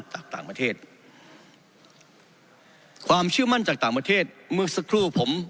จากต่างประเทศความเชื่อมั่นจากต่างประเทศเมื่อสักครู่ผม